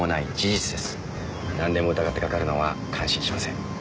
なんでも疑ってかかるのは感心しません。